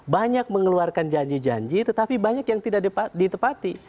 banyak mengeluarkan janji janji tetapi banyak yang tidak ditepati